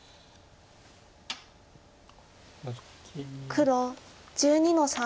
黒１２の三。